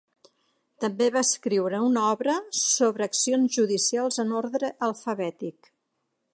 També va escriure una obra sobre accions judicials en ordre alfabètic.